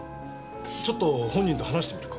ちょっと本人と話してみるか。